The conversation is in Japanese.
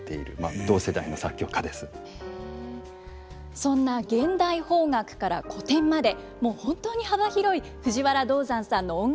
そんな現代邦楽から古典まで本当に幅広い藤原道山さんの音楽